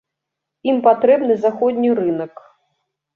Ім патрэбны заходні рынак.